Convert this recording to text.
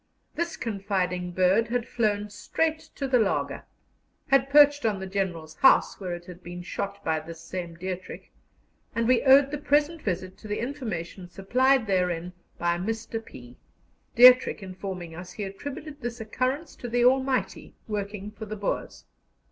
This confiding bird had flown straight to the laager, had perched on the General's house, where it had been shot by this same Dietrich, and we owed the present visit to the information supplied therein by Mr. P., Dietrich informing us he attributed this occurrence to the Almighty working for the Boers.